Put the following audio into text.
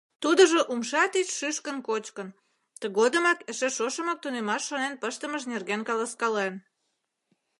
Тудыжо умша тич шӱшкын кочкын, тыгодымак эше шошымак тунемаш шонен пыштымыж нерген каласкален.